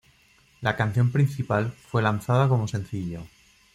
La canción principal fue lanzada como sencillo.